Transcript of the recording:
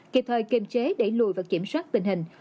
kịp thời kiềm chế đẩy lùi và kiểm soát tình hình